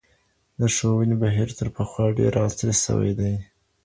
د ښوونې بهير تر پخوا ډېر عصري سوی دی.